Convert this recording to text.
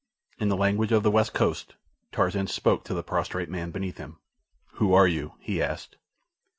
In the language of the West Coast, Tarzan spoke to the prostrate man beneath him. "Who are you?" he asked.